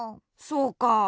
そうか。